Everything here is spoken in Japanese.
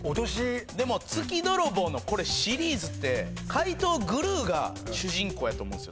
でも『月泥棒』のシリーズって怪盗グルーが主人公やと思うんですよ